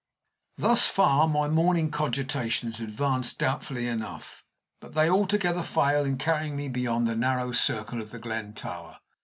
Thus far my morning cogitations advance doubtfully enough, but they altogether fail in carrying me beyond the narrow circle of The Glen Tower.